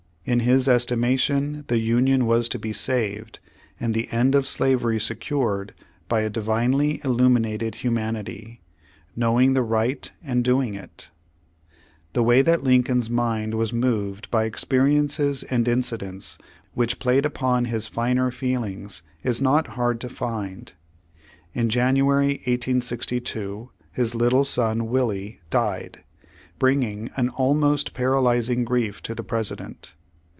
In his estim.ation the Union was to be saved, and the end of slavery secured by a Divinely illuminated humanity, knowing the right and doing it. The way that Lincoln's mind was moved by experiences and incidents which played upon his finer feelings is not hard to find. In January, 1862, his little son Willie died, bringing an almost paralyzing grief to the President.